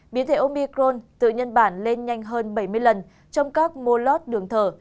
biến thể omicron tự nhân bản lên nhanh hơn bảy mươi lần trong các mô lót đường thở